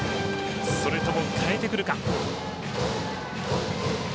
それとも変えてくるか。